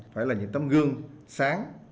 phải là những tấm gương sáng